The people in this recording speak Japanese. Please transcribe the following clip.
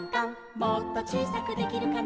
「もっとちいさくできるかな」